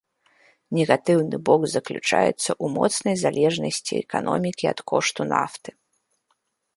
Негатыўны бок заключаецца ў моцнай залежнасці эканомікі ад кошту нафты.